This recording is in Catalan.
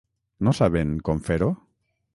No saben com fer-ho?